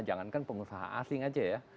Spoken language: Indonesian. jangankan pengusaha asing aja ya